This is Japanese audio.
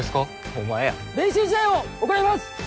お前や練習試合を行います！